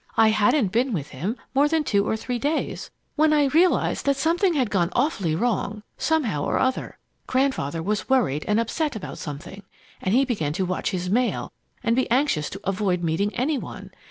"I hadn't been with him more than two or three days when I realized that something had gone awfully wrong, somehow or other. Grandfather was worried and upset about something, and he began to watch his mail and be anxious to avoid meeting any one.